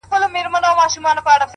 د حقیقت درناوی وجدان روښانوي.!